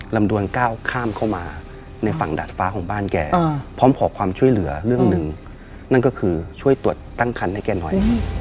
ดวนก้าวข้ามเข้ามาในฝั่งดาดฟ้าของบ้านแกพร้อมขอความช่วยเหลือเรื่องหนึ่งนั่นก็คือช่วยตรวจตั้งคันให้แกหน่อย